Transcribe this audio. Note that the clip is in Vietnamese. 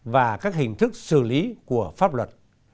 và các hình thức xử lý của pháp luật